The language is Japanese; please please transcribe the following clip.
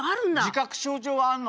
自覚症状はあるの。